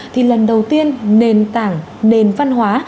thì lần đầu tiên nền tảng nền văn hóa